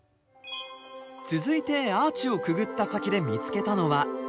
続いてアーチをくぐった先で見つけたのは。